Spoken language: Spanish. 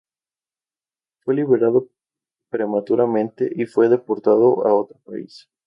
Fue liberado prematuramente y fue deportado a otro país.